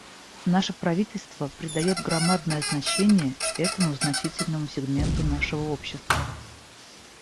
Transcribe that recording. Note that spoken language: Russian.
Наше правительство придает громадное значение этому значительному сегменту нашего общества.